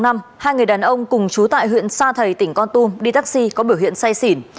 hai người đàn ông cùng chú tại huyện sa thầy tỉnh con tum đi taxi có biểu hiện say xỉn